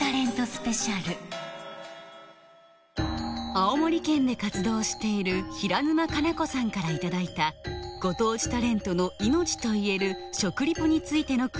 青森県で活動している平沼日菜子さんからいただいたご当地タレントの命といえる食リポについてのクチコミから再開